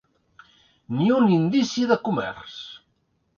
Ni un indici de comerç!